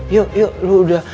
yuk yuk lu udah